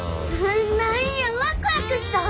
何やワクワクしたわ。